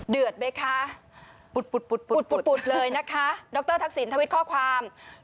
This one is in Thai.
เดือดไหมคะปุดเลยนะคะดรทักษิณทวิตข้อความ